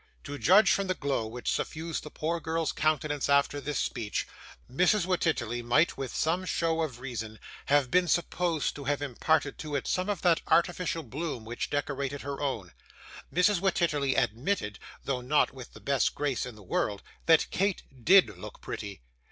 To judge from the glow which suffused the poor girl's countenance after this speech, Mrs. Wititterly might, with some show of reason, have been supposed to have imparted to it some of that artificial bloom which decorated her own. Mrs. Wititterly admitted, though not with the best grace in the world, that Kate DID look pretty.